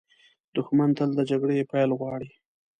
دښمن تل د جګړې پیل غواړي